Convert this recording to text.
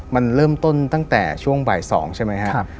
มันเริ่มต้นตั้งแต่ช่วงบ่าย๒ใช่ไหมครับ